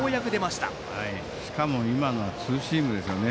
しかも今のはツーシームですよね。